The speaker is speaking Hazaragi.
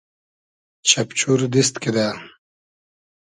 چئپچور دیست کیدۂ